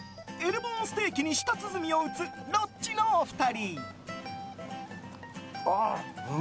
ボーンステーキに舌鼓を打つロッチのお二人。